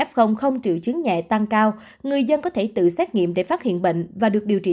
f triệu chứng nhẹ tăng cao người dân có thể tự xét nghiệm để phát hiện bệnh và được điều trị